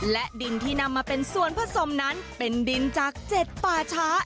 และดินที่นำมาเป็นส่วนผสมนั้นเป็นดินจาก๗ป่าช้า